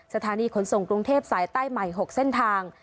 สถานีขนส่งกรุงเทพสายใต้ใหม่๖เส้นทาง